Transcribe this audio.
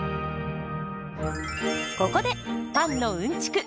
ここでパンのうんちく